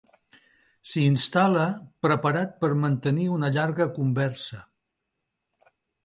S'hi instal.la, preparat per mantenir una llarga conversa.